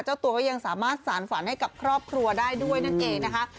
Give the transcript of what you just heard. เจ้าตัวก็ยังสามารถสารฝันให้กับครอบครัวได้ด้วยนั่นเองนะคะ